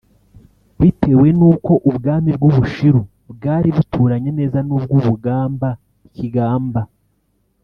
Bitewe n’uko Ubwami bw’u Bushiru bwari buturanye neza n’ubwa Bugamba-Kigamba